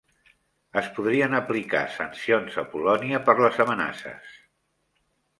Es podrien aplicar sancions a Polònia per les amenaces